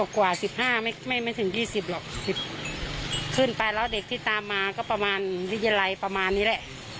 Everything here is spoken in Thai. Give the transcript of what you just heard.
กว่า๑๕ไม่ถึง๒๐หรอก๑๐ขึ้นไปแล้วเด็กที่ตามมาก็ประมาณวิทยาลัยประมาณนี้แหละ